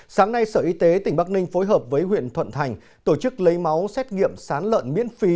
sáng nay sở y tế tỉnh bắc ninh phối hợp với huyện thuận thành tổ chức lấy máu xét nghiệm sán lợn miễn phí